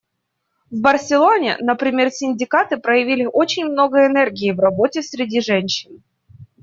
В Барселоне, например, синдикаты проявили очень много энергии в работе среди женщин.